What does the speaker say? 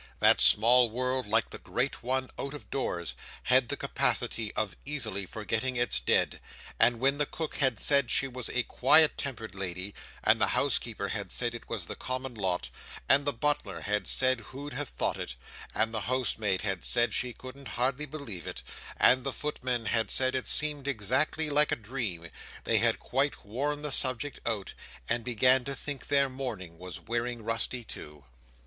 That small world, like the great one out of doors, had the capacity of easily forgetting its dead; and when the cook had said she was a quiet tempered lady, and the house keeper had said it was the common lot, and the butler had said who'd have thought it, and the housemaid had said she couldn't hardly believe it, and the footman had said it seemed exactly like a dream, they had quite worn the subject out, and began to think their mourning was wearing rusty too.